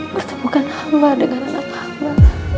mertemukan hamba dengan anak hamba